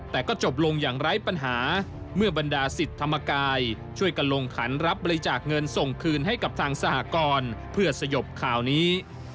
แต่ก็จบลงอย่างไร้ปัญหาเมื่อบรรดาศิษย์ธรรมกายช่วยกันลงขันรับบริจาคเงินส่งคืนให้กับทางสหกรเพื่อสยบข่าวนี้